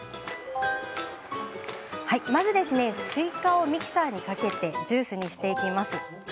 まずスイカをミキサーにかけてジュースにしていきます。